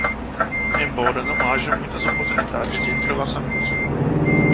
Embora não haja muitas oportunidades de entrelaçamento